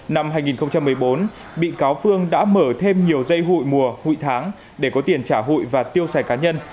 năm hai nghìn một mươi bốn bị cáo phương đã mở thêm nhiều dây hụi mùa hụi tháng để có tiền trả hụi và tiêu xài cá nhân